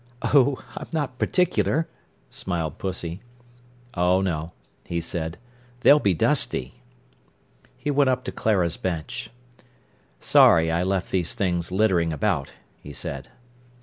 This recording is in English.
"Oh, I'm not particular," smiled Pussy. "Oh no," he said. "They'll be dusty." He went up to Clara's bench. "Sorry I left these things littering about," he said.